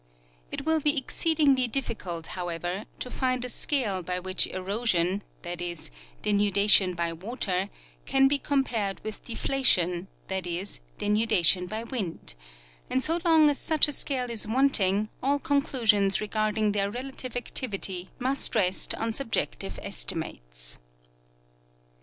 It will be exceedingly difficult, however, to find a scale by which erosion, that is, denudation by water, can be compared with deflation, that is, denudation by wind; and so long as such a scale is wanting, all conclusions regarding their relative activity must rest on subjective estimates.